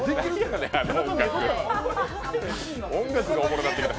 音楽がおもろなってきた。